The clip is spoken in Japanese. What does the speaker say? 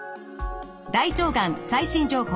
「大腸がん最新情報」